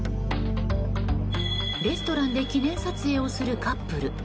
レストランで記念撮影をするカップル。